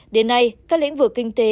đến nay các lĩnh vực kinh tế